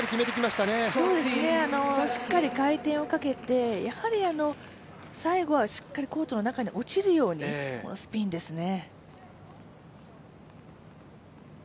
しっかり回転をかけて、最後はしっかりコートの中に落ちるようにスピンですね。